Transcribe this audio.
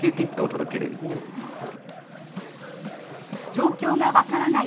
状況が分からない